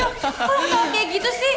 kok lo tau kayak gitu sih